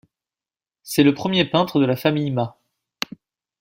C'est le premier peintre de la famille Ma.